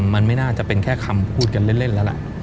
มันไม่น่าจะเป็นแค่คำพูดกันเล่นแล้วล่ะ